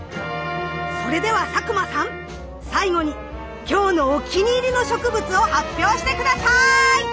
それでは佐久間さん最後に今日のお気に入りの植物を発表して下さい！